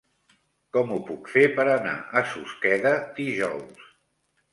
Com ho puc fer per anar a Susqueda dijous?